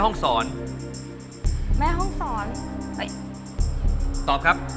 กรุงเทพหมดเลยครับ